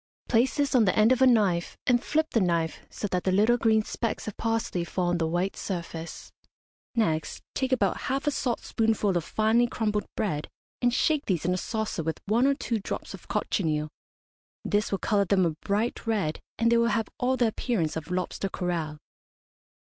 Place this on the end of a knife and flip the knife so that the little green specks of parsley fall on the white surface. Next take about half a saltspoonful of finely crumbled bread, and shake these in a saucer with one or two drops of cochineal. This will colour them a bright red, and they will have all the appearance of lobster coral.